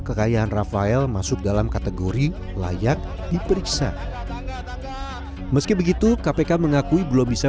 kekayaan rafael masuk dalam kategori layak diperiksa meski begitu kpk mengakui belum bisa